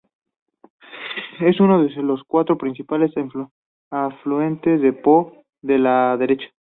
Es uno de los cuatro principales afluentes del Po por la derecha.